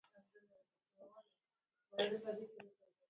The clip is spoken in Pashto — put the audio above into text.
هندوکش د افغان ښځو په ژوند کې رول لري.